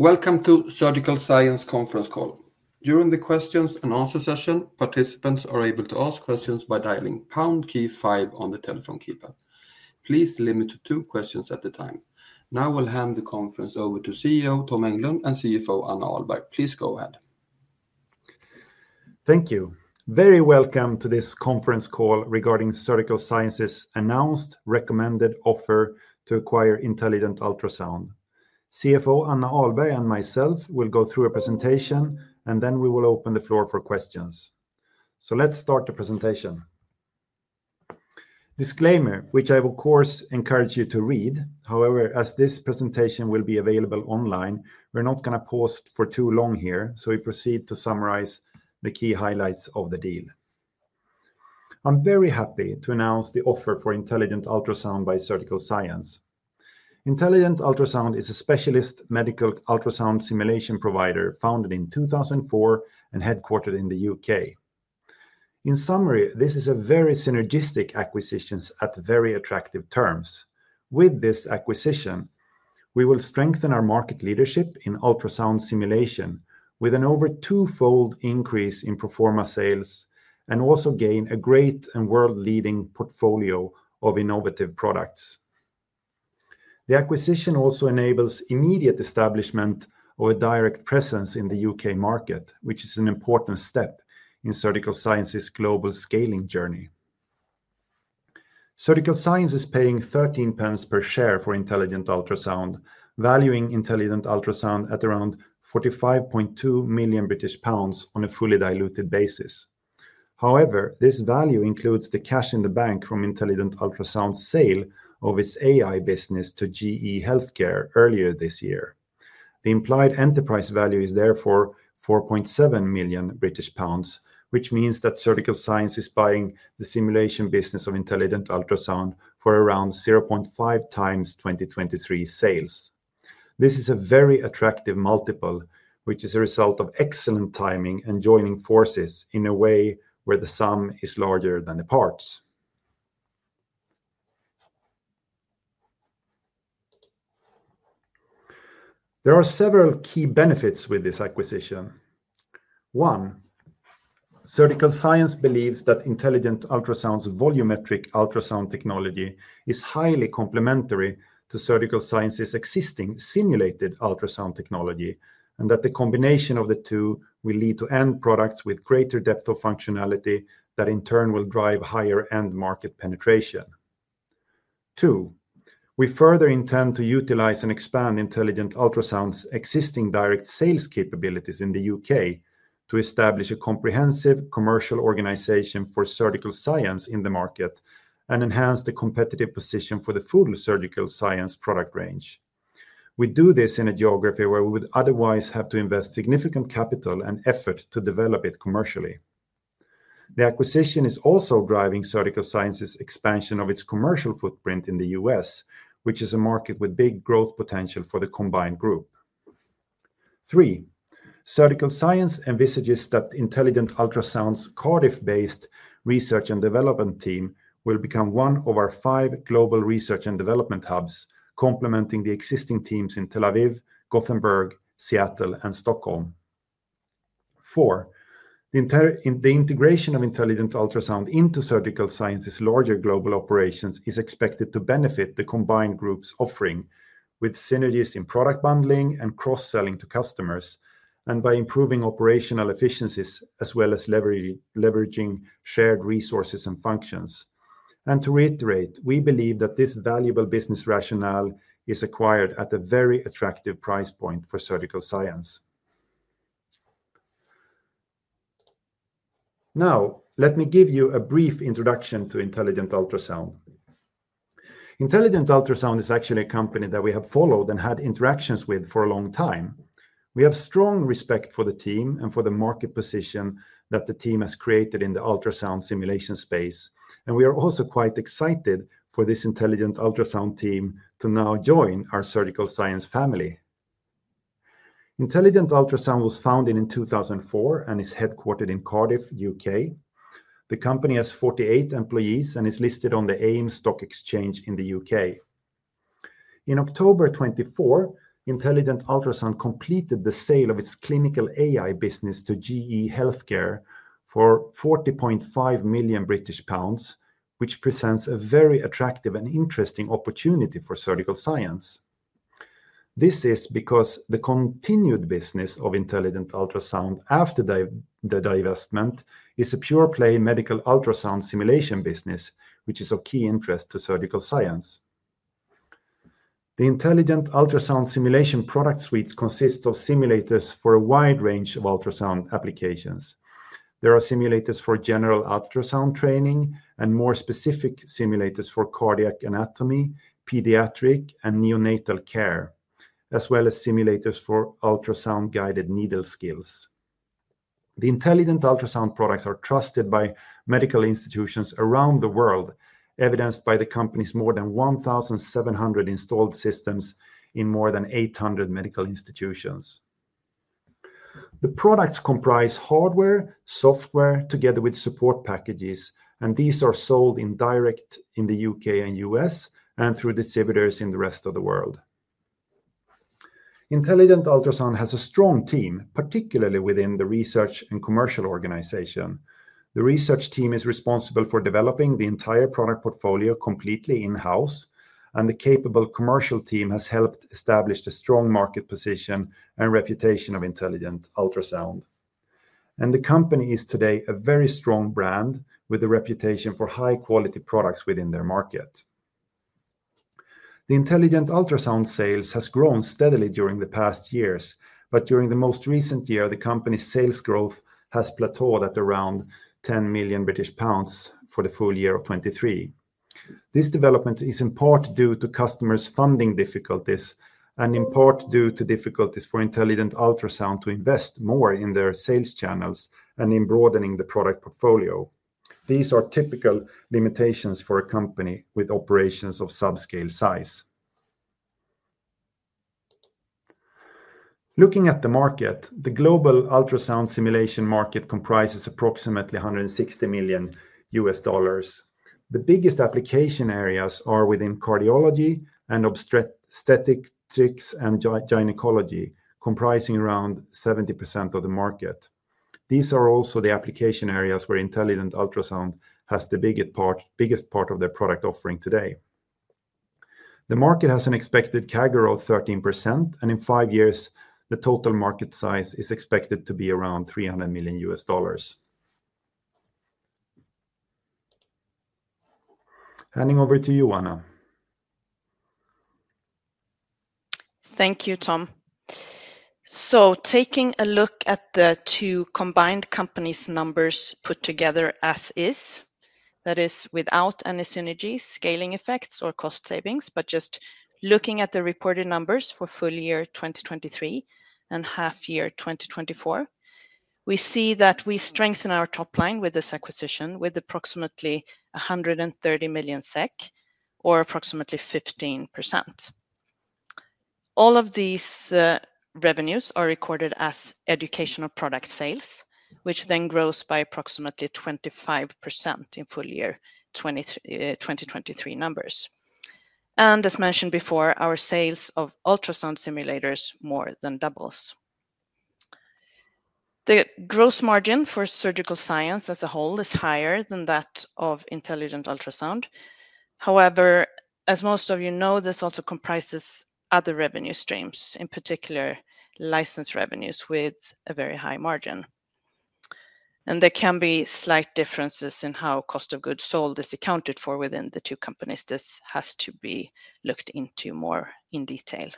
Welcome to Surgical Science Conference Call. During the questions and answer session, participants are able to ask questions by dialing hash five on the telephone keypad. Please limit to two questions at a time. Now I will hand the conference over to CEO Tom Englund and CFO Anna Ahlberg. Please go ahead. Thank you. Very welcome to this conference call regarding Surgical Science's announced recommended offer to acquire Intelligent Ultrasound. CFO Anna Ahlberg and myself will go through a presentation, and then we will open the floor for questions. So let's start the presentation. Disclaimer, which I will, of course, encourage you to read. However, as this presentation will be available online, we're not going to pause for too long here, so we proceed to summarize the key highlights of the deal. I'm very happy to announce the offer for Intelligent Ultrasound by Surgical Science. Intelligent Ultrasound is a specialist medical ultrasound simulation provider founded in 2004 and headquartered in the U.K. In summary, this is a very synergistic acquisition at very attractive terms. With this acquisition, we will strengthen our market leadership in ultrasound simulation with an over twofold increase in pro forma sales and also gain a great and world-leading portfolio of innovative products. The acquisition also enables immediate establishment of a direct presence in the U.K. market, which is an important step in Surgical Science's global scaling journey. Surgical Science is paying 13 pence per share for Intelligent Ultrasound, valuing Intelligent Ultrasound at around 45.2 million British pounds on a fully diluted basis. However, this value includes the cash in the bank from Intelligent Ultrasound's sale of its AI business to GE Healthcare earlier this year. The implied enterprise value is therefore 4.7 million British pounds, which means that Surgical Science is buying the simulation business of Intelligent Ultrasound for around 0.5 times 2023 sales. This is a very attractive multiple, which is a result of excellent timing and joining forces in a way where the sum is larger than the parts. There are several key benefits with this acquisition. One, Surgical Science believes that Intelligent Ultrasound's volumetric ultrasound technology is highly complementary to Surgical Science's existing simulated ultrasound technology and that the combination of the two will lead to end products with greater depth of functionality that in turn will drive higher end market penetration. Two, we further intend to utilize and expand Intelligent Ultrasound's existing direct sales capabilities in the UK to establish a comprehensive commercial organization for Surgical Science in the market and enhance the competitive position for the full Surgical Science product range. We do this in a geography where we would otherwise have to invest significant capital and effort to develop it commercially. The acquisition is also driving Surgical Science's expansion of its commercial footprint in the U.S., which is a market with big growth potential for the combined group. Three, Surgical Science envisages that Intelligent Ultrasound's Cardiff-based research and development team will become one of our five global research and development hubs, complementing the existing teams in Tel Aviv, Gothenburg, Seattle, and Stockholm. Four, the integration of Intelligent Ultrasound into Surgical Science's larger global operations is expected to benefit the combined group's offering with synergies in product bundling and cross-selling to customers and by improving operational efficiencies as well as leveraging shared resources and functions. And to reiterate, we believe that this valuable business rationale is acquired at a very attractive price point for Surgical Science. Now, let me give you a brief introduction to Intelligent Ultrasound. Intelligent Ultrasound is actually a company that we have followed and had interactions with for a long time. We have strong respect for the team and for the market position that the team has created in the ultrasound simulation space, and we are also quite excited for this Intelligent Ultrasound team to now join our Surgical Science family. Intelligent Ultrasound was founded in 2004 and is headquartered in Cardiff, UK. The company has 48 employees and is listed on the AIM stock exchange in the UK. In October 2024, Intelligent Ultrasound completed the sale of its clinical AI business to GE Healthcare for £40.5 million, which presents a very attractive and interesting opportunity for Surgical Science. This is because the continued business of Intelligent Ultrasound after the divestment is a pure-play medical ultrasound simulation business, which is of key interest to Surgical Science. The Intelligent Ultrasound simulation product suite consists of simulators for a wide range of ultrasound applications. There are simulators for general ultrasound training and more specific simulators for cardiac anatomy, pediatric, and neonatal care, as well as simulators for ultrasound-guided needle skills. The Intelligent Ultrasound products are trusted by medical institutions around the world, evidenced by the company's more than 1,700 installed systems in more than 800 medical institutions. The products comprise hardware, software, together with support packages, and these are sold directly in the U.K. and U.S. and through distributors in the rest of the world. Intelligent Ultrasound has a strong team, particularly within the research and commercial organization. The research team is responsible for developing the entire product portfolio completely in-house, and the capable commercial team has helped establish the strong market position and reputation of Intelligent Ultrasound. The company is today a very strong brand with a reputation for high-quality products within their market. The Intelligent Ultrasound sales has grown steadily during the past years, but during the most recent year, the company's sales growth has plateaued at around 10 million British pounds for the full year of 2023. This development is in part due to customers' funding difficulties and in part due to difficulties for Intelligent Ultrasound to invest more in their sales channels and in broadening the product portfolio. These are typical limitations for a company with operations of subscale size. Looking at the market, the global ultrasound simulation market comprises approximately $160 million. The biggest application areas are within cardiology and obstetrics and gynecology, comprising around 70% of the market. These are also the application areas where Intelligent Ultrasound has the biggest part of their product offering today. The market has an expected CAGR of 13%, and in five years, the total market size is expected to be around $300 million. Handing over to you, Anna. Thank you, Tom. So taking a look at the two combined companies' numbers put together as is, that is without any synergy, scaling effects or cost savings, but just looking at the reported numbers for full year 2023 and half year 2024, we see that we strengthen our top line with this acquisition with approximately 130 million SEK or approximately 15%. All of these revenues are recorded as educational product sales, which then grows by approximately 25% in full year 2023 numbers. And as mentioned before, our sales of ultrasound simulators more than doubles. The gross margin for Surgical Science as a whole is higher than that of Intelligent Ultrasound. However, as most of you know, this also comprises other revenue streams, in particular license revenues with a very high margin. And there can be slight differences in how cost of goods sold is accounted for within the two companies. This has to be looked into more in detail.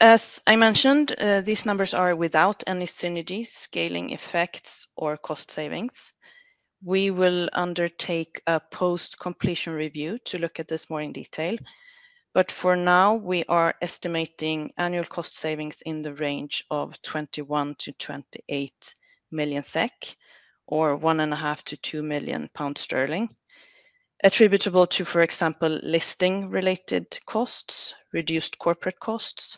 As I mentioned, these numbers are without any synergies, scaling effects, or cost savings. We will undertake a post-completion review to look at this more in detail, but for now, we are estimating annual cost savings in the range of 21-28 million SEK or 1.5-2 million pounds, attributable to, for example, listing-related costs, reduced corporate costs,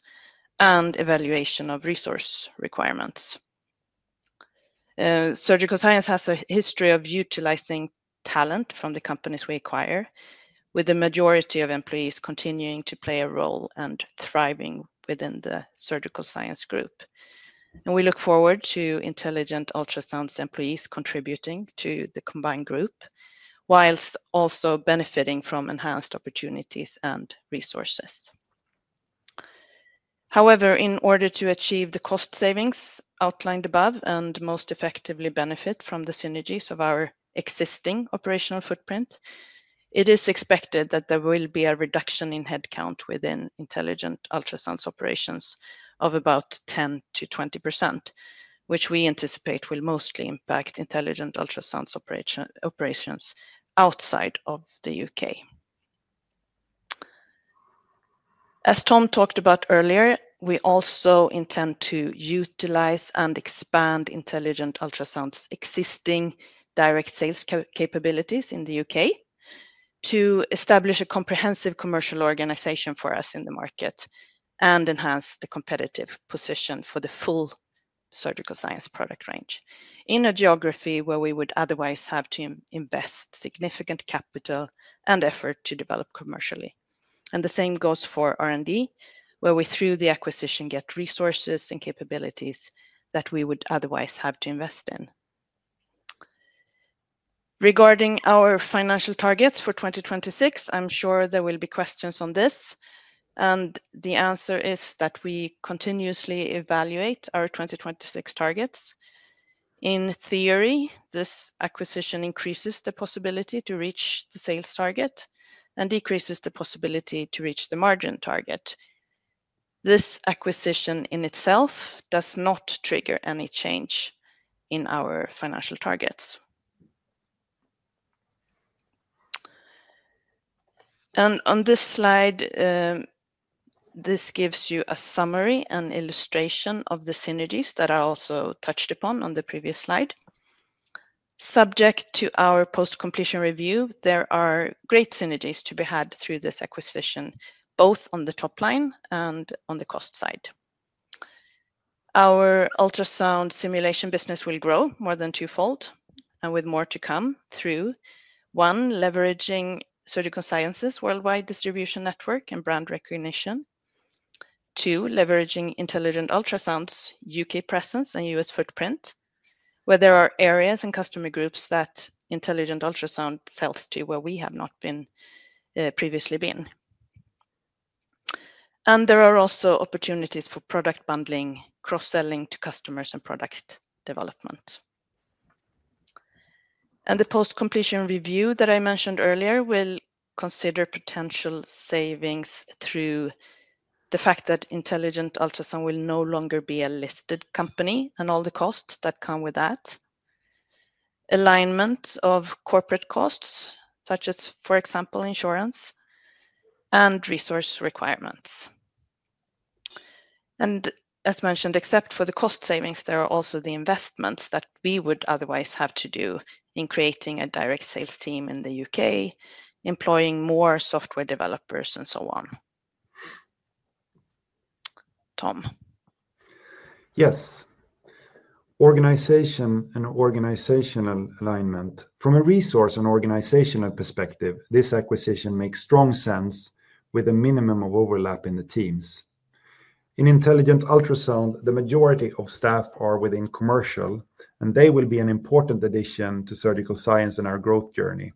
and evaluation of resource requirements. Surgical Science has a history of utilizing talent from the companies we acquire, with the majority of employees continuing to play a role and thriving within the Surgical Science group. And we look forward to Intelligent Ultrasound's employees contributing to the combined group, whilst also benefiting from enhanced opportunities and resources. However, in order to achieve the cost savings outlined above and most effectively benefit from the synergies of our existing operational footprint, it is expected that there will be a reduction in headcount within Intelligent Ultrasound's operations of about 10%-20%, which we anticipate will mostly impact Intelligent Ultrasound's operations outside of the U.K. As Tom talked about earlier, we also intend to utilize and expand Intelligent Ultrasound's existing direct sales capabilities in the U.K. to establish a comprehensive commercial organization for us in the market and enhance the competitive position for the full Surgical Science product range in a geography where we would otherwise have to invest significant capital and effort to develop commercially, and the same goes for R&D, where we through the acquisition get resources and capabilities that we would otherwise have to invest in. Regarding our financial targets for 2026, I'm sure there will be questions on this, and the answer is that we continuously evaluate our 2026 targets. In theory, this acquisition increases the possibility to reach the sales target and decreases the possibility to reach the margin target. This acquisition in itself does not trigger any change in our financial targets. And on this slide, this gives you a summary and illustration of the synergies that are also touched upon on the previous slide. Subject to our post-completion review, there are great synergies to be had through this acquisition, both on the top line and on the cost side. Our ultrasound simulation business will grow more than twofold and with more to come through. One, leveraging Surgical Science's worldwide distribution network and brand recognition. Two, leveraging Intelligent Ultrasound's U.K. presence and U.S. footprint, where there are areas and customer groups that Intelligent Ultrasound sells to where we have not been previously. And there are also opportunities for product bundling, cross-selling to customers and product development. And the post-completion review that I mentioned earlier will consider potential savings through the fact that Intelligent Ultrasound will no longer be a listed company and all the costs that come with that, alignment of corporate costs, such as for example, insurance and resource requirements. And as mentioned, except for the cost savings, there are also the investments that we would otherwise have to do in creating a direct sales team in the U.K., employing more software developers and so on. Tom. Yes. Organization and organizational alignment. From a resource and organizational perspective, this acquisition makes strong sense with a minimum of overlap in the teams. In Intelligent Ultrasound, the majority of staff are within commercial, and they will be an important addition to Surgical Science and our growth journey.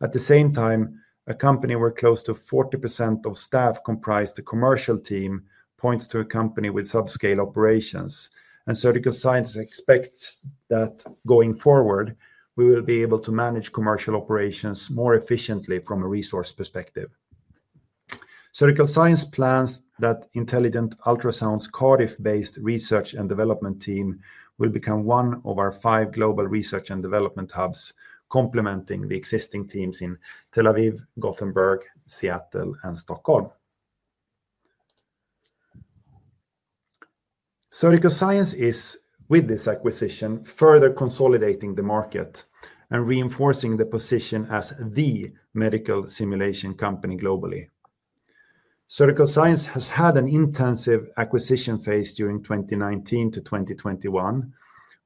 At the same time, a company where close to 40% of staff comprise the commercial team points to a company with subscale operations, and Surgical Science expects that going forward, we will be able to manage commercial operations more efficiently from a resource perspective. Surgical Science plans that Intelligent Ultrasound's Cardiff-based research and development team will become one of our five global research and development hubs, complementing the existing teams in Tel Aviv, Gothenburg, Seattle, and Stockholm. Surgical Science is, with this acquisition, further consolidating the market and reinforcing the position as the medical simulation company globally. Surgical Science has had an intensive acquisition phase during 2019 to 2021,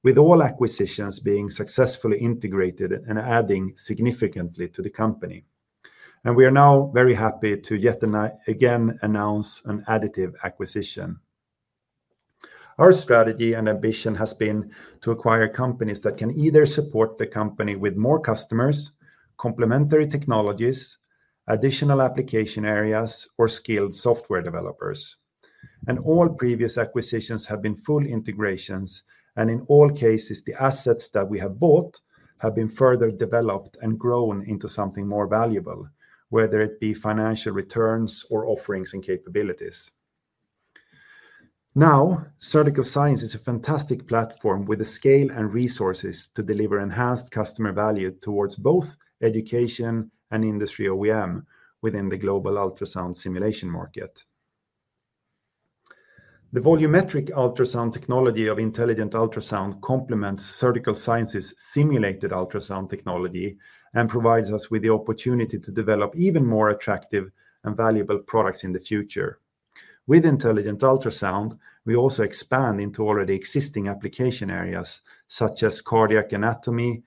with all acquisitions being successfully integrated and adding significantly to the company. We are now very happy to yet again announce an additive acquisition. Our strategy and ambition has been to acquire companies that can either support the company with more customers, complementary technologies, additional application areas, or skilled software developers. All previous acquisitions have been full integrations, and in all cases, the assets that we have bought have been further developed and grown into something more valuable, whether it be financial returns or offerings and capabilities. Now, Surgical Science is a fantastic platform with the scale and resources to deliver enhanced customer value towards both education and Industry OEM within the global ultrasound simulation market. The volumetric ultrasound technology of Intelligent Ultrasound complements Surgical Science's simulated ultrasound technology and provides us with the opportunity to develop even more attractive and valuable products in the future. With Intelligent Ultrasound, we also expand into already existing application areas such as cardiac anatomy,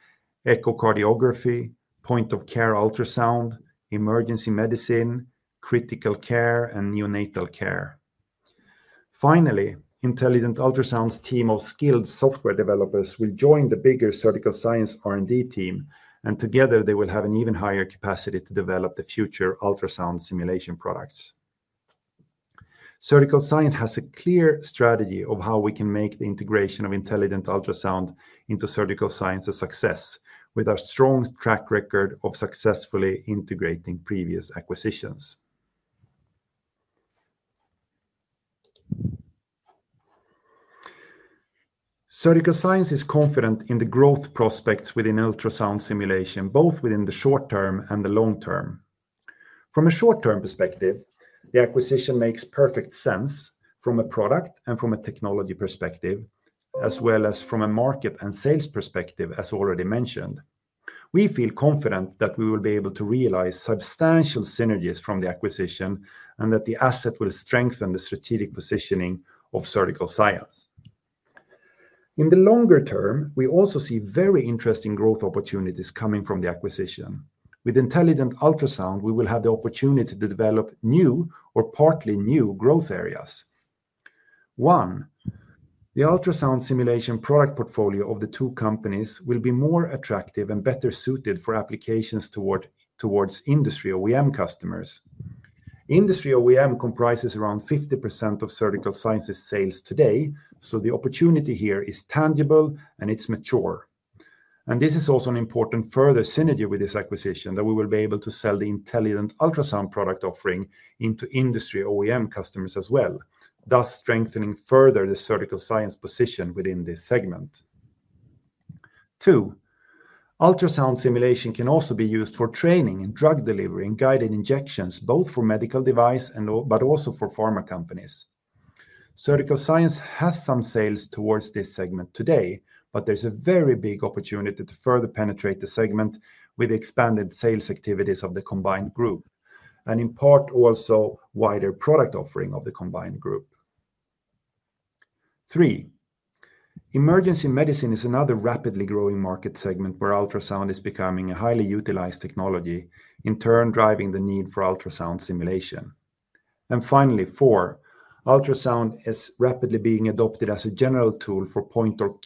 echocardiography, point-of-care ultrasound, emergency medicine, critical care, and neonatal care. Finally, Intelligent Ultrasound's team of skilled software developers will join the bigger Surgical Science R&D team, and together they will have an even higher capacity to develop the future ultrasound simulation products. Surgical Science has a clear strategy of how we can make the integration of Intelligent Ultrasound into Surgical Science a success with our strong track record of successfully integrating previous acquisitions. Surgical Science is confident in the growth prospects within ultrasound simulation, both within the short term and the long term. From a short-term perspective, the acquisition makes perfect sense from a product and from a technology perspective, as well as from a market and sales perspective, as already mentioned. We feel confident that we will be able to realize substantial synergies from the acquisition and that the asset will strengthen the strategic positioning of Surgical Science. In the longer term, we also see very interesting growth opportunities coming from the acquisition. With Intelligent Ultrasound, we will have the opportunity to develop new or partly new growth areas. One, the ultrasound simulation product portfolio of the two companies will be more attractive and better suited for applications towards industry OEM customers. Industry OEM comprises around 50% of Surgical Science's sales today, so the opportunity here is tangible and it's mature. And this is also an important further synergy with this acquisition that we will be able to sell the Intelligent Ultrasound product offering into Industry OEM customers as well, thus strengthening further the Surgical Science position within this segment. Two, ultrasound simulation can also be used for training and drug delivery and guided injections, both for medical devices but also for pharma companies. Surgical Science has some sales towards this segment today, but there's a very big opportunity to further penetrate the segment with the expanded sales activities of the combined group and in part also wider product offering of the combined group. Three, emergency medicine is another rapidly growing market segment where ultrasound is becoming a highly utilized technology, in turn driving the need for ultrasound simulation. And finally, four, ultrasound is rapidly being adopted as a general tool for point of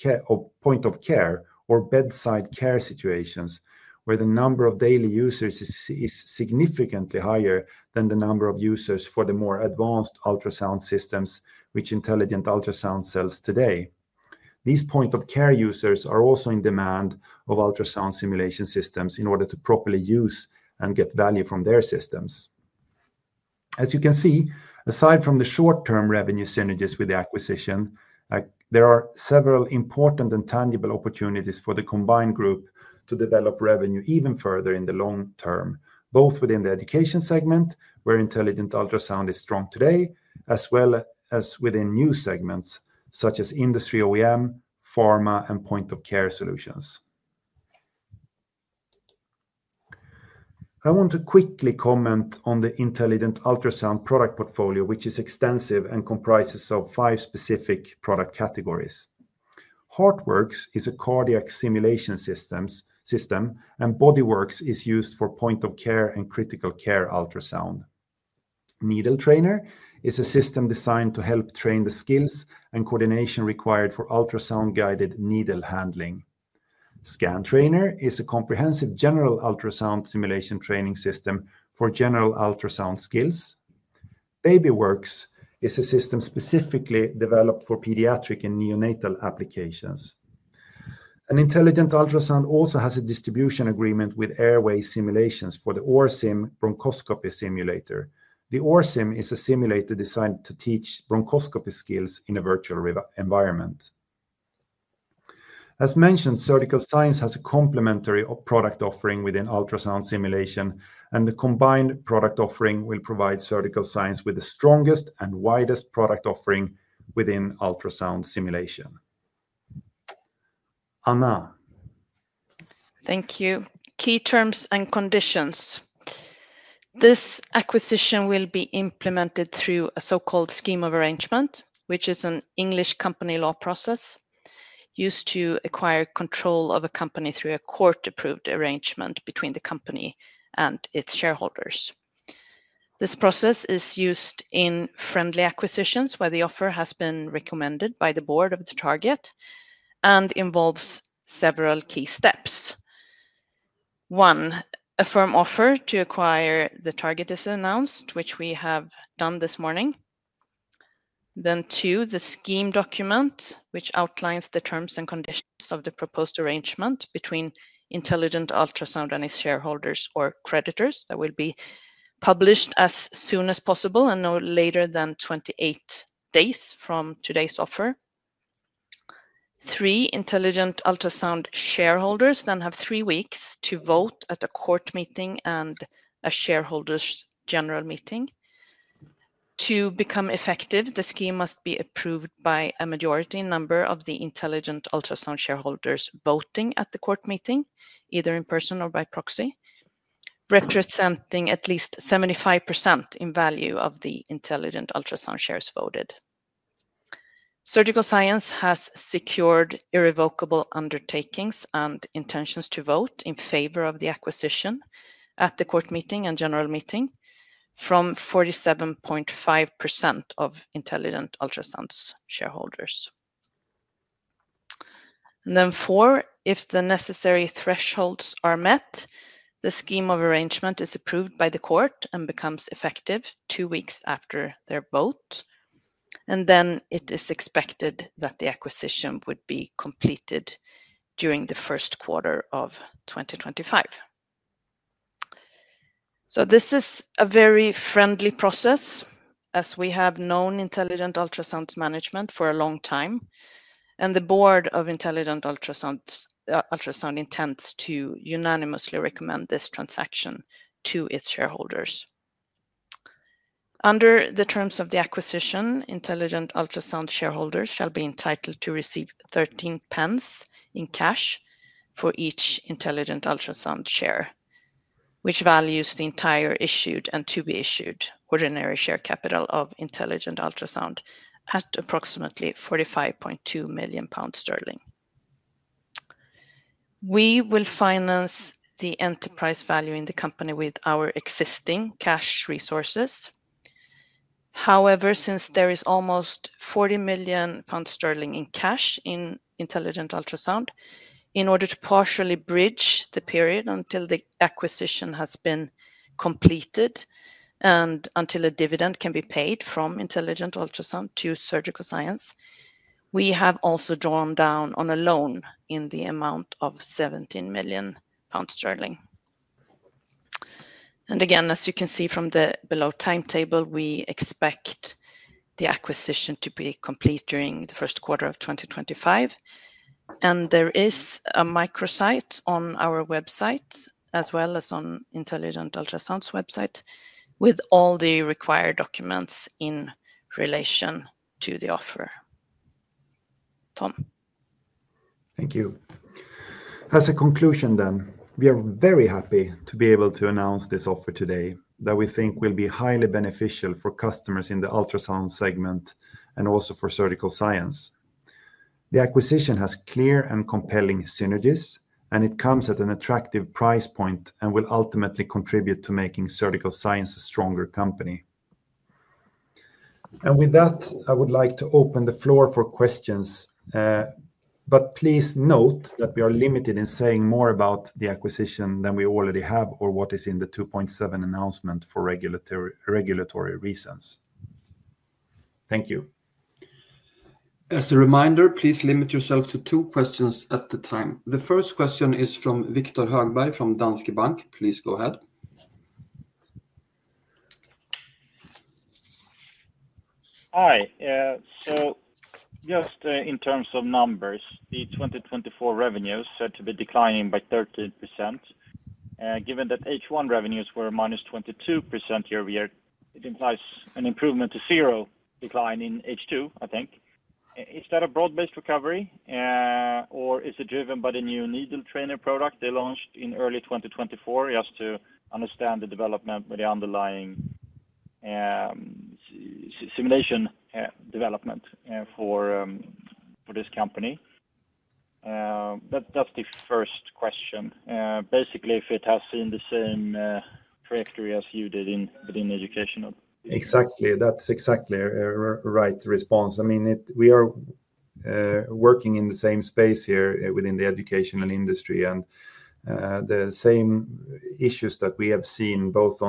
care or bedside care situations where the number of daily users is significantly higher than the number of users for the more advanced ultrasound systems which Intelligent Ultrasound sells today. These point of care users are also in demand of ultrasound simulation systems in order to properly use and get value from their systems. As you can see, aside from the short-term revenue synergies with the acquisition, there are several important and tangible opportunities for the combined group to develop revenue even further in the long term, both within the education segment where Intelligent Ultrasound is strong today, as well as within new segments such as Industry OEM, pharma, and point of care solutions. I want to quickly comment on the Intelligent Ultrasound product portfolio, which is extensive and comprises of five specific product categories. HeartWorks is a cardiac simulation system, and BodyWorks is used for point-of-care and critical care ultrasound. NeedleTrainer is a system designed to help train the skills and coordination required for ultrasound-guided needle handling. ScanTrainer is a comprehensive general ultrasound simulation training system for general ultrasound skills. BabyWorks is a system specifically developed for pediatric and neonatal applications. Intelligent Ultrasound also has a distribution agreement with Airway Simulations for the ORSIM bronchoscopy simulator. The ORSIM is a simulator designed to teach bronchoscopy skills in a virtual environment. As mentioned, Surgical Science has a complementary product offering within ultrasound simulation, and the combined product offering will provide Surgical Science with the strongest and widest product offering within ultrasound simulation. Anna. Thank you. Key terms and conditions. This acquisition will be implemented through a so-called scheme of arrangement, which is an English company law process used to acquire control of a company through a court-approved arrangement between the company and its shareholders. This process is used in friendly acquisitions where the offer has been recommended by the board of the target and involves several key steps. One, a firm offer to acquire the target is announced, which we have done this morning. Then two, the scheme document, which outlines the terms and conditions of the proposed arrangement between Intelligent Ultrasound and its shareholders or creditors, that will be published as soon as possible and no later than 28 days from today's offer. Three, Intelligent Ultrasound shareholders then have three weeks to vote at a court meeting and a shareholders' general meeting. To become effective, the scheme must be approved by a majority number of the Intelligent Ultrasound shareholders voting at the court meeting, either in person or by proxy, representing at least 75% in value of the Intelligent Ultrasound shares voted. Surgical Science has secured irrevocable undertakings and intentions to vote in favor of the acquisition at the court meeting and general meeting from 47.5% of Intelligent Ultrasound shareholders. And then four, if the necessary thresholds are met, the scheme of arrangement is approved by the court and becomes effective two weeks after their vote. And then it is expected that the acquisition would be completed during the first quarter of 2025. So this is a very friendly process as we have known Intelligent Ultrasound management for a long time, and the board of Intelligent Ultrasound intends to unanimously recommend this transaction to its shareholders. Under the terms of the acquisition, Intelligent Ultrasound shareholders shall be entitled to receive 0.13 in cash for each Intelligent Ultrasound share, which values the entire issued and to be issued ordinary share capital of Intelligent Ultrasound at approximately 45.2 million pounds. We will finance the enterprise value in the company with our existing cash resources. However, since there is almost 40 million pounds in cash in Intelligent Ultrasound, in order to partially bridge the period until the acquisition has been completed and until a dividend can be paid from Intelligent Ultrasound to Surgical Science, we have also drawn down on a loan in the amount of 17 million pounds. Again, as you can see from the below timetable, we expect the acquisition to be complete during the first quarter of 2025. There is a microsite on our website as well as on Intelligent Ultrasound's website with all the required documents in relation to the offer. Tom. Thank you. As a conclusion then, we are very happy to be able to announce this offer today that we think will be highly beneficial for customers in the ultrasound segment and also for Surgical Science. The acquisition has clear and compelling synergies, and it comes at an attractive price point and will ultimately contribute to making Surgical Science a stronger company. And with that, I would like to open the floor for questions, but please note that we are limited in saying more about the acquisition than we already have or what is in the 2.7 announcement for regulatory reasons. Thank you. As a reminder, please limit yourself to two questions at a time. The first question is from Viktor Högberg from Danske Bank. Please go ahead. Hi, so just in terms of numbers, the 2024 revenues are said to be declining by 13%. Given that H1 revenues were minus 22% year over year, it implies an improvement to zero decline in H2, I think. Is that a broad-based recovery, or is it driven by the new NeedleTrainer product they launched in early 2024 just to understand the development with the underlying simulation development for this company? That's the first question. Basically, if it has seen the same trajectory as you did within education. Exactly. That's exactly a right response. I mean, we are working in the same space here within the educational industry, and the same issues that we have seen both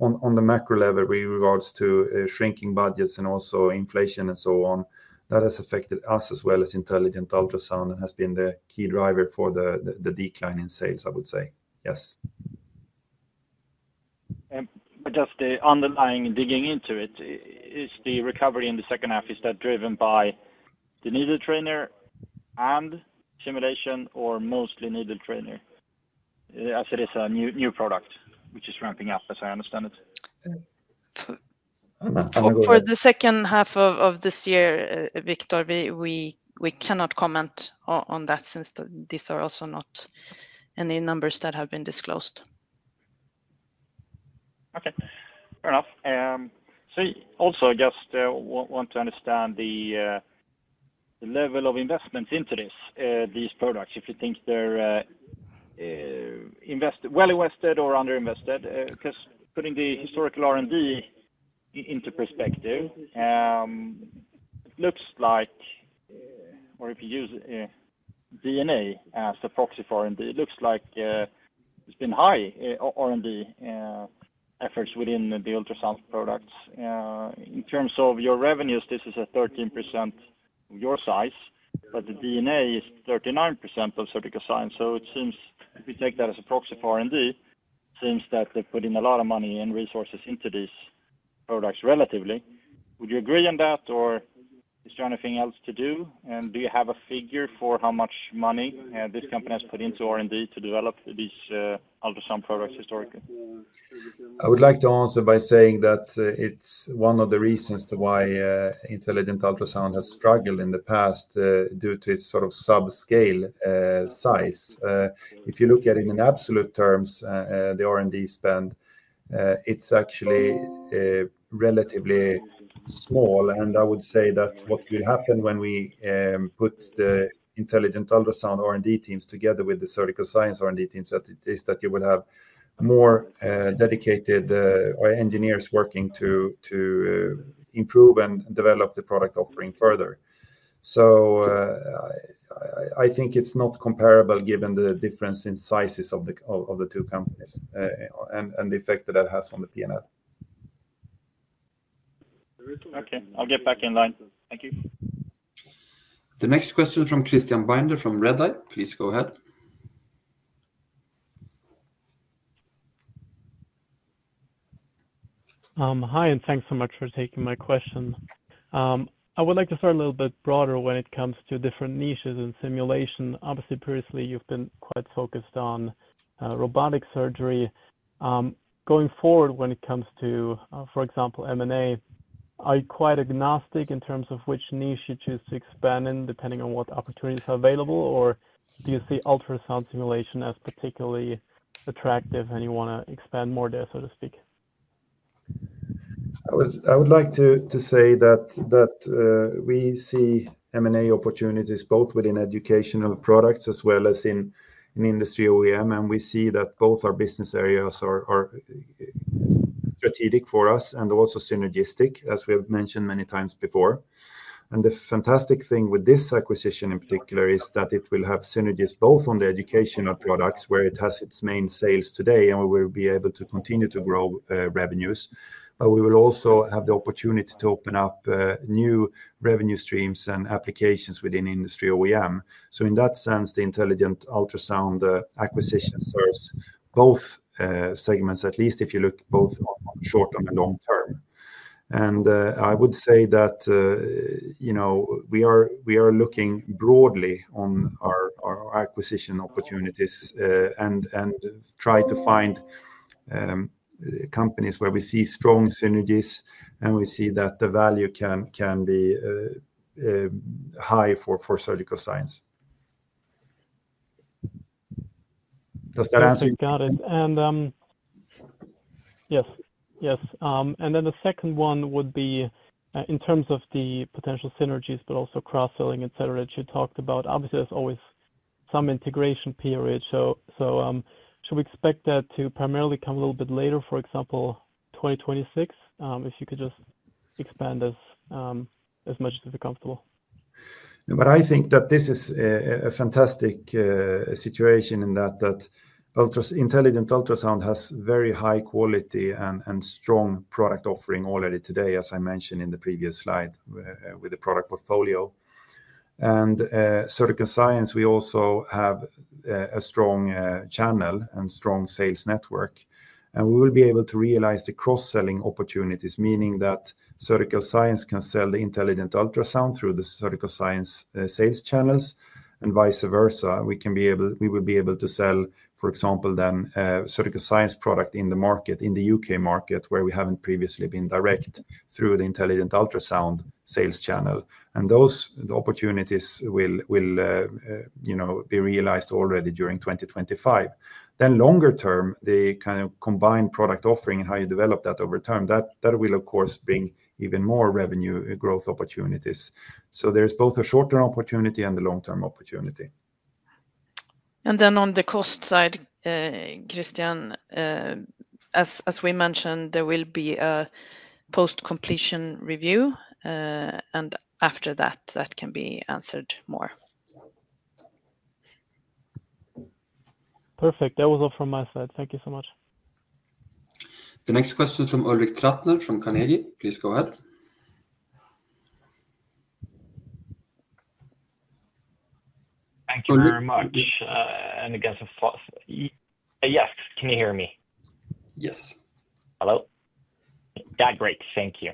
on the macro level with regards to shrinking budgets and also inflation and so on, that has affected us as well as Intelligent Ultrasound and has been the key driver for the decline in sales, I would say. Yes. Just the underlying digging into it, is the recovery in the second half, is that driven by the NeedleTrainer and simulation or mostly NeedleTrainer as it is a new product which is ramping up, as I understand it? For the second half of this year, Viktor, we cannot comment on that since these are also not any numbers that have been disclosed. Okay. Fair enough. So also, I just want to understand the level of investment into these products, if you think they're well invested or under-invested. Just putting the historical R&D into perspective, it looks like, or if you use R&D as a proxy for R&D, it looks like there's been high R&D efforts within the ultrasound products. In terms of your revenues, this is a 13% of your size, but the R&D is 39% of Surgical Science. So it seems, if we take that as a proxy for R&D, it seems that they've put in a lot of money and resources into these products relatively. Would you agree on that, or is there anything else to do? And do you have a figure for how much money this company has put into R&D to develop these ultrasound products historically? I would like to answer by saying that it's one of the reasons why Intelligent Ultrasound has struggled in the past due to its sort of subscale size. If you look at it in absolute terms, the R&D spend, it's actually relatively small. And I would say that what would happen when we put the Intelligent Ultrasound R&D teams together with the Surgical Science R&D teams is that you would have more dedicated engineers working to improve and develop the product offering further. So I think it's not comparable given the difference in sizes of the two companies and the effect that that has on the P&L. Okay. I'll get back in line. Thank you. The next question is from Christian Binder from Redeye. Please go ahead. Hi, and thanks so much for taking my question. I would like to start a little bit broader when it comes to different niches in simulation. Obviously, previously, you've been quite focused on robotic surgery. Going forward, when it comes to, for example, M&A, are you quite agnostic in terms of which niche you choose to expand in depending on what opportunities are available, or do you see ultrasound simulation as particularly attractive and you want to expand more there, so to speak? I would like to say that we see M&A opportunities both within educational products as well as in industry OEM, and we see that both our business areas are strategic for us and also synergistic, as we have mentioned many times before, and the fantastic thing with this acquisition in particular is that it will have synergies both on the educational products where it has its main sales today, and we will be able to continue to grow revenues, but we will also have the opportunity to open up new revenue streams and applications within industry OEM, so in that sense, the Intelligent Ultrasound acquisition serves both segments, at least if you look both on the short and the long term. I would say that we are looking broadly on our acquisition opportunities and try to find companies where we see strong synergies, and we see that the value can be high for Surgical Science. Does that answer? Got it. And yes, yes. And then the second one would be in terms of the potential synergies, but also cross-selling, etc., that you talked about. Obviously, there's always some integration period. So should we expect that to primarily come a little bit later, for example, 2026? If you could just expand as much as you feel comfortable? But I think that this is a fantastic situation in that Intelligent Ultrasound has very high quality and strong product offering already today, as I mentioned in the previous slide, with the product portfolio. And Surgical Science, we also have a strong channel and strong sales network. And we will be able to realize the cross-selling opportunities, meaning that Surgical Science can sell the Intelligent Ultrasound through the Surgical Science sales channels and vice versa. We will be able to sell, for example, then Surgical Science product in the market, in the U.K. market, where we haven't previously been direct through the Intelligent Ultrasound sales channel. And those opportunities will be realized already during 2025. Then longer term, the kind of combined product offering and how you develop that over time, that will, of course, bring even more revenue growth opportunities. So there's both a short-term opportunity and a long-term opportunity. On the cost side, Christian, as we mentioned, there will be a post-completion review, and after that, that can be answered more. Perfect. That was all from my side. Thank you so much. The next question is from Ulrik Trattner from Carnegie. Please go ahead. Thank you very much. And again, yes, can you hear me? Yes. Hello. Yeah, great. Thank you.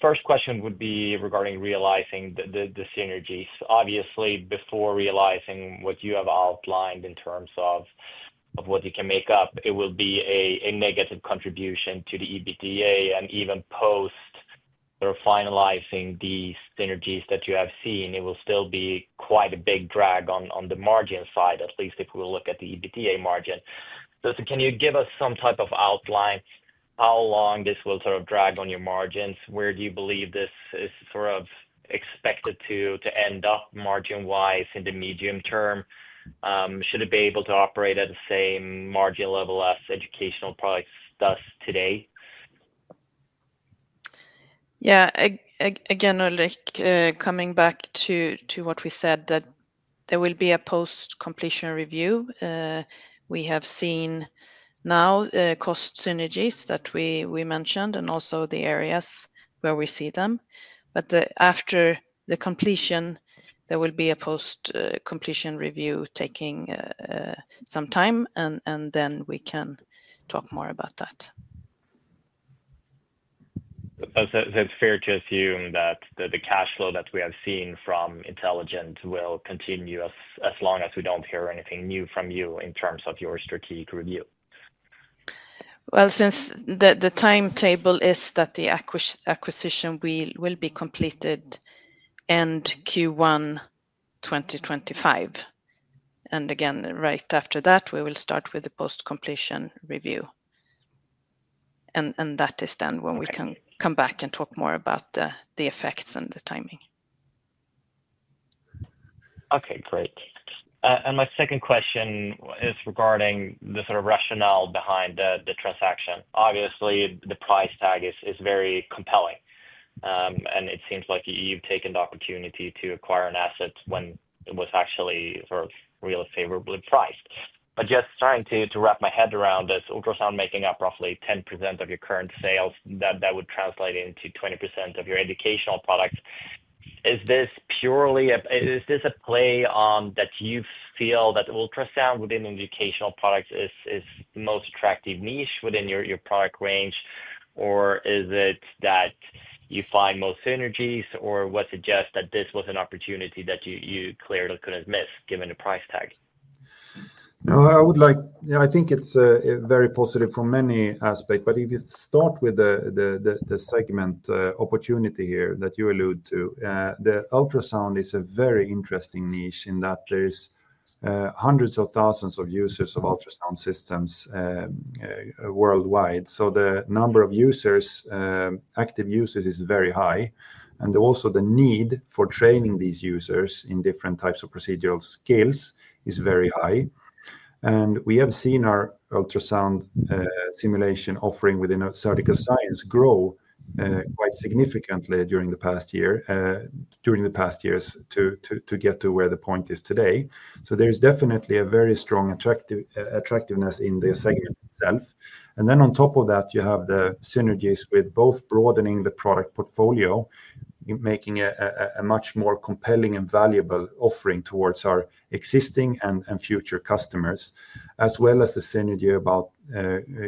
First question would be regarding realizing the synergies. Obviously, before realizing what you have outlined in terms of what you can make up, it will be a negative contribution to the EBITDA, and even post finalizing the synergies that you have seen, it will still be quite a big drag on the margin side, at least if we look at the EBITDA margin. So can you give us some type of outline how long this will sort of drag on your margins? Where do you believe this is sort of expected to end up margin-wise in the medium term? Should it be able to operate at the same margin level as Educational Products does today? Yeah. Again, Ulrik, coming back to what we said, that there will be a post-completion review. We have seen now cost synergies that we mentioned and also the areas where we see them. But after the completion, there will be a post-completion review taking some time, and then we can talk more about that. That's fair to assume that the cash flow that we have seen from Intelligent will continue as long as we don't hear anything new from you in terms of your strategic review. Since the timetable is that the acquisition will be completed end Q1 2025. Again, right after that, we will start with the post-completion review. That is then when we can come back and talk more about the effects and the timing. Okay, great. And my second question is regarding the sort of rationale behind the transaction. Obviously, the price tag is very compelling, and it seems like you've taken the opportunity to acquire an asset when it was actually sort of really favorably priced. But just trying to wrap my head around this, ultrasound making up roughly 10% of your current sales, that would translate into 20% of your educational products. Is this purely a play on that you feel that ultrasound within educational products is the most attractive niche within your product range, or is it that you find most synergies, or was it just that this was an opportunity that you clearly couldn't miss given the price tag? No, I would like. I think it's very positive from many aspects, but if you start with the segment opportunity here that you allude to, the ultrasound is a very interesting niche in that there's hundreds of thousands of users of ultrasound systems worldwide. So the number of users, active users, is very high. And also the need for training these users in different types of procedural skills is very high. And we have seen our ultrasound simulation offering within Surgical Science grow quite significantly during the past years, to get to where the point is today. So there's definitely a very strong attractiveness in the segment itself. And then on top of that, you have the synergies with both broadening the product portfolio, making a much more compelling and valuable offering towards our existing and future customers, as well as the synergy about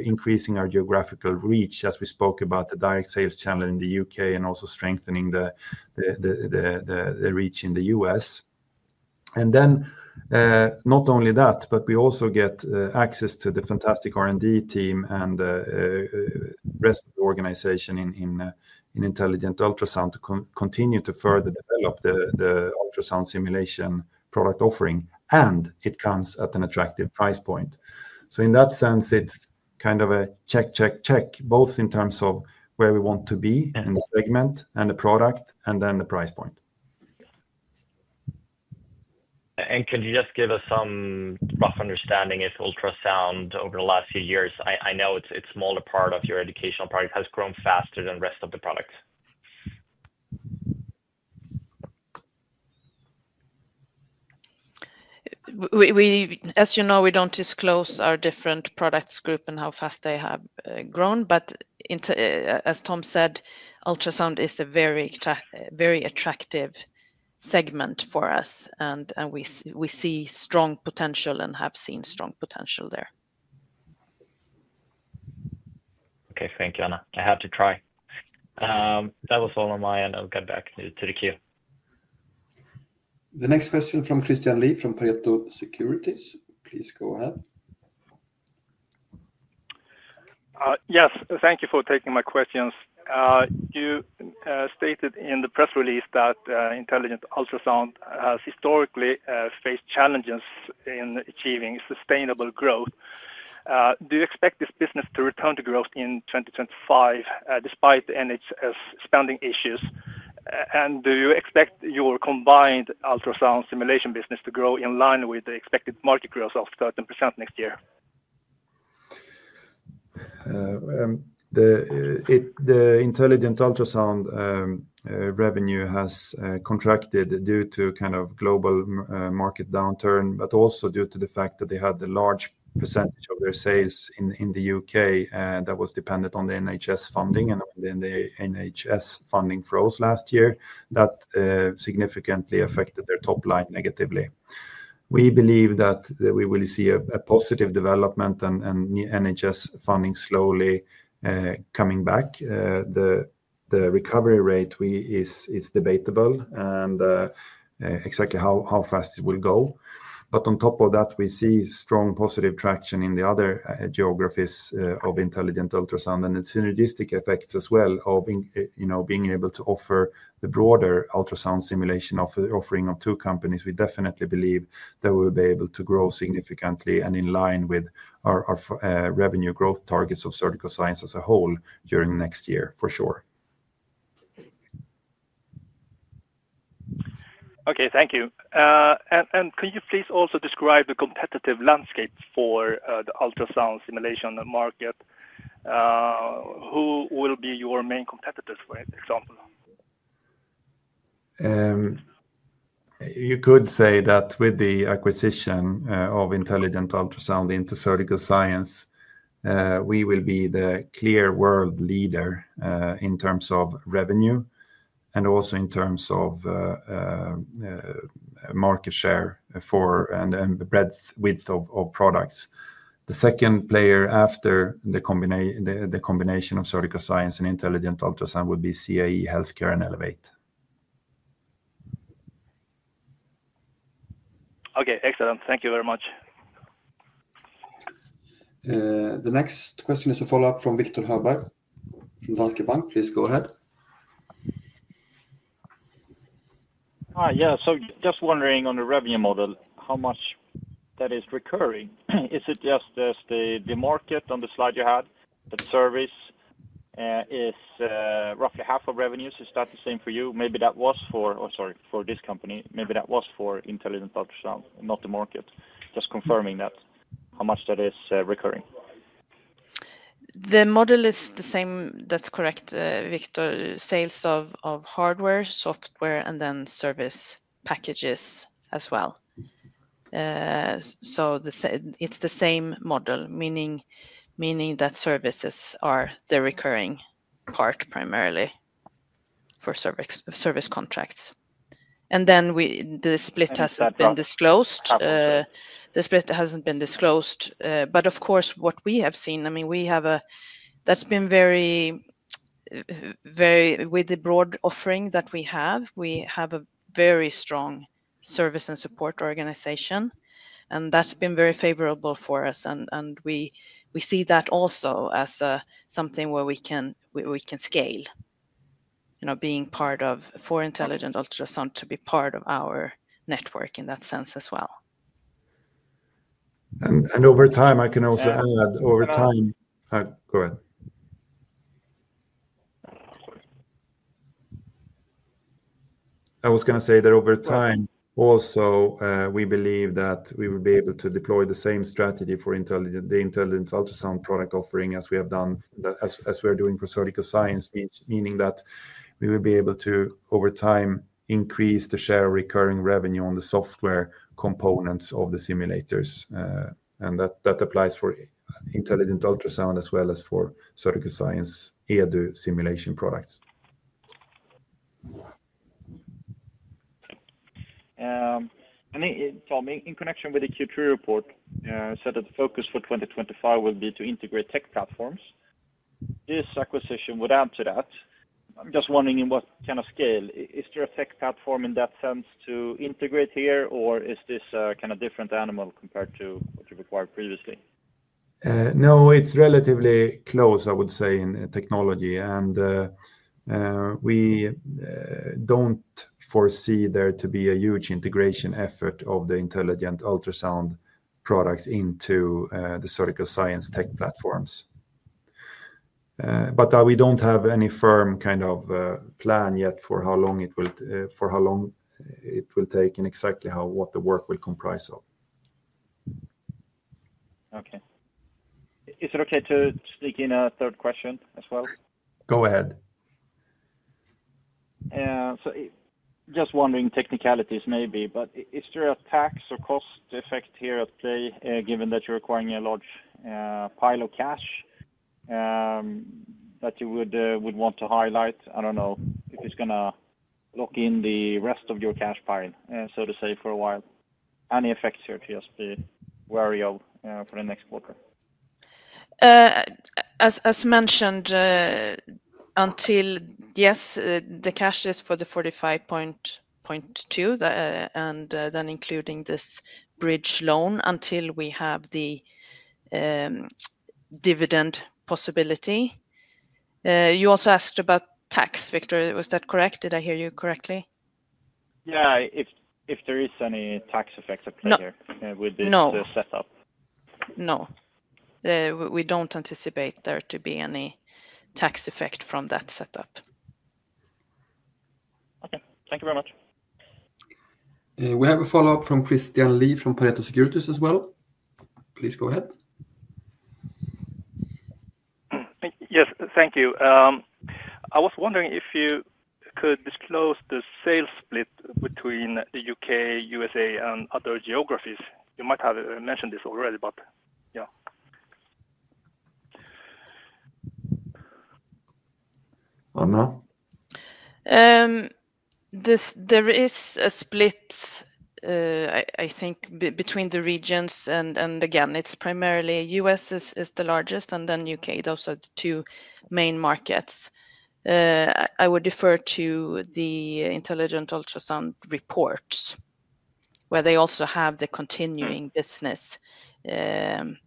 increasing our geographical reach, as we spoke about, the direct sales channel in the U.K. and also strengthening the reach in the U.S. And then not only that, but we also get access to the fantastic R&D team and the rest of the organization in Intelligent Ultrasound to continue to further develop the ultrasound simulation product offering, and it comes at an attractive price point. So in that sense, it's kind of a check, check, check, both in terms of where we want to be in the segment and the product, and then the price point. Can you just give us some rough understanding if ultrasound over the last few years, I know it's a smaller part of your educational product, has grown faster than the rest of the products? As you know, we don't disclose our different products group and how fast they have grown, but as Tom said, ultrasound is a very attractive segment for us, and we see strong potential and have seen strong potential there. Okay, thank you, Anna. I had to try. That was all on my end. I'll get back to the queue. The next question is from Christian Lee from Pareto Securities. Please go ahead. Yes, thank you for taking my questions. You stated in the press release that Intelligent Ultrasound has historically faced challenges in achieving sustainable growth. Do you expect this business to return to growth in 2025 despite NHS spending issues? And do you expect your combined ultrasound simulation business to grow in line with the expected market growth of 13% next year? The Intelligent Ultrasound revenue has contracted due to kind of global market downturn, but also due to the fact that they had a large percentage of their sales in the U.K. that was dependent on the NHS funding, and then the NHS funding froze last year. That significantly affected their top line negatively. We believe that we will see a positive development and NHS funding slowly coming back. The recovery rate is debatable and exactly how fast it will go. But on top of that, we see strong positive traction in the other geographies of Intelligent Ultrasound and its synergistic effects as well of being able to offer the broader ultrasound simulation offering of two companies. We definitely believe that we will be able to grow significantly and in line with our revenue growth targets of Surgical Science as a whole during next year, for sure. Okay, thank you. And can you please also describe the competitive landscape for the ultrasound simulation market? Who will be your main competitors, for example? You could say that with the acquisition of Intelligent Ultrasound into Surgical Science, we will be the clear world leader in terms of revenue and also in terms of market share and breadth of products. The second player after the combination of Surgical Science and Intelligent Ultrasound would be CAE Healthcare and Elevate. Okay, excellent. Thank you very much. The next question is a follow-up from Viktor Högberg from Danske Bank. Please go ahead. Yeah, so just wondering on the revenue model, how much that is recurring? Is it just the market on the slide you had that service is roughly half of revenues? Is that the same for you? Maybe that was for, sorry, for this company. Maybe that was for Intelligent Ultrasound, not the market. Just confirming that how much that is recurring? The model is the same. That's correct, Viktor. Sales of hardware, software, and then service packages as well, so it's the same model, meaning that services are the recurring part primarily for service contracts, and then the split hasn't been disclosed, but of course, what we have seen, I mean, with the broad offering that we have, we have a very strong service and support organization, and that's been very favorable for us, and we see that also as something where we can scale, being part of, for Intelligent Ultrasound to be part of our network in that sense as well. I was going to say that over time, also, we believe that we will be able to deploy the same strategy for the Intelligent Ultrasound product offering as we have done, as we are doing for Surgical Science, meaning that we will be able to, over time, increase the share of recurring revenue on the software components of the simulators. That applies for Intelligent Ultrasound as well as for Surgical Science EDU simulation products. Tom, in connection with the Q2 report, you said that the focus for 2025 will be to integrate tech platforms. This acquisition would add to that. I'm just wondering in what kind of scale. Is there a tech platform in that sense to integrate here, or is this kind of different animal compared to what you've acquired previously? No, it's relatively close, I would say, in technology. And we don't foresee there to be a huge integration effort of the Intelligent Ultrasound products into the Surgical Science tech platforms. But we don't have any firm kind of plan yet for how long it will take and exactly what the work will comprise of. Okay. Is it okay to sneak in a third question as well? Go ahead. So just wondering technicalities maybe, but is there a tax or cost effect here at play, given that you're acquiring a large pile of cash that you would want to highlight? I don't know if it's going to lock in the rest of your cash pile, so to say, for a while. Any effects here to just be wary of for the next quarter? As mentioned, yes, the cash is for the 45.2, and then including this bridge loan until we have the dividend possibility. You also asked about tax, Viktor. Was that correct? Did I hear you correctly? Yeah, if there is any tax effect at play here with the setup? No. We don't anticipate there to be any tax effect from that setup. Okay. Thank you very much. We have a follow-up from Christian Lee from Pareto Securities as well. Please go ahead. Yes, thank you. I was wondering if you could disclose the sales split between the U.K., U.S., and other geographies. You might have mentioned this already, but yeah. Anna. There is a split, I think, between the regions, and again, it's primarily U.S. is the largest, and then U.K., those are the two main markets. I would defer to the Intelligent Ultrasound reports, where they also have the continuing business in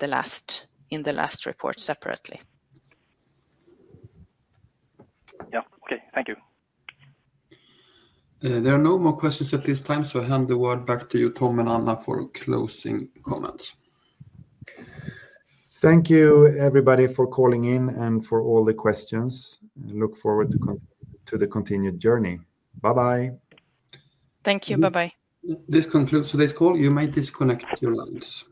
the last report separately. Yeah. Okay. Thank you. There are no more questions at this time, so I hand the word back to you, Tom and Anna, for closing comments. Thank you, everybody, for calling in and for all the questions. Look forward to the continued journey. Bye-bye. Thank you. Bye-bye. This concludes today's call. You may disconnect your lines.